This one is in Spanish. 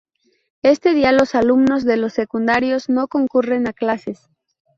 Este día los alumnos de los secundarios no concurren a clases.